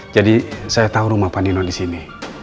jadi saya tahu rumah pak nino di sini